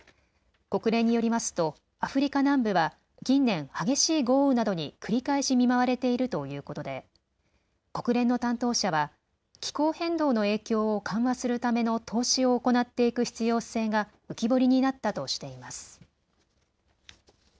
国連によりますとアフリカ南部は近年、激しい豪雨などに繰り返し見舞われているということで国連の担当者は気候変動の影響を緩和するための投資を行っていく必要性が浮き彫りになったとしています。